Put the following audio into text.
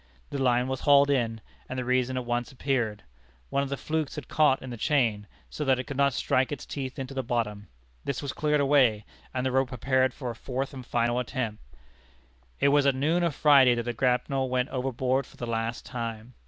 The line was hauled in, and the reason at once appeared. One of the flukes had caught in the chain, so that it could not strike its teeth into the bottom. This was cleared away, and the rope prepared for a fourth and final attempt. It was at noon of Friday that the grapnel went overboard for the last time.